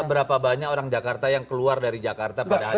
berapa banyak orang jakarta yang keluar dari jakarta pada hari ke dua puluh